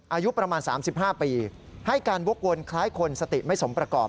อายุประมาณ๓๕ปีให้การวกวนคล้ายคนสติไม่สมประกอบ